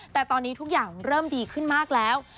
แต่ตอนนี้ทุกอย่างเริ่มดีขึ้นมากแล้ว